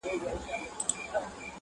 کتاب د سړیتوب دي په معنا ویلی نه دی،